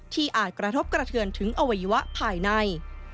อาจกระทบกระเทือนถึงอวัยวะภายใน